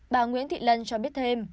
bà nguyễn thị lân cho biết thêm